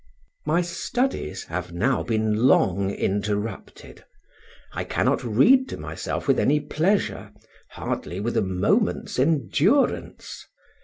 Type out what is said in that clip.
My studies have now been long interrupted. I cannot read to myself with any pleasure, hardly with a moment's endurance.